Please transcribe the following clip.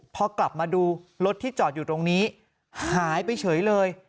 พอกลับมาดูรถที่จอดอยู่ตรงนี้หายไปเฉยเลย